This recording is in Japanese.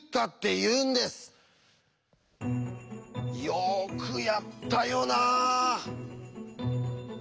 よくやったよなあ！